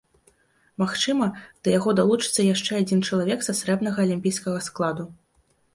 Магчыма, да яго далучыцца яшчэ адзін чалавек са срэбнага алімпійскага складу.